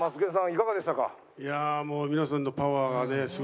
いやあもう。